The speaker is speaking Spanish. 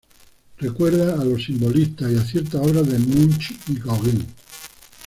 Recuerda a los simbolistas y a ciertas obras de Munch y Gauguin.